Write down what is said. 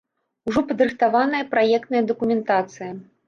Ужо падрыхтаваная праектная дакументацыя.